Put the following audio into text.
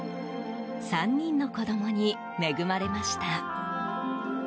３人の子供に恵まれました。